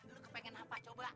lu kepengen apa coba